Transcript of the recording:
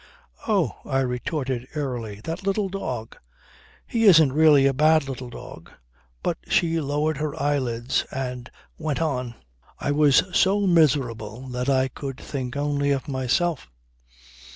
"Oh!" I retorted airily. "That little dog. He isn't really a bad little dog." But she lowered her eyelids and went on: "I was so miserable that I could think only of myself.